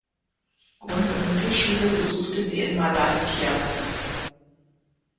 Grund- und Mittelschule besuchte sie in Malatya.